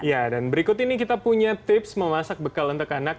ya dan berikut ini kita punya tips memasak bekal untuk anak